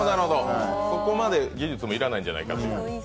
そこまで技術も要らないんじゃないかと。